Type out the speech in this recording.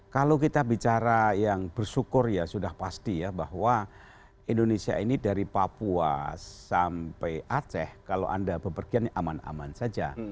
kalau kita bicara yang bersyukur ya sudah pasti ya bahwa indonesia ini dari papua sampai aceh kalau anda bepergian aman aman saja